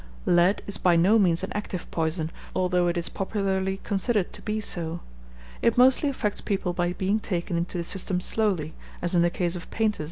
_ Lead is by no means an active poison, although it is popularly considered to be so. It mostly affects people by being taken into the system slowly, as in the case of painters and glaziers.